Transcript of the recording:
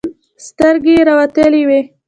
سترګې يې راوتلې وې.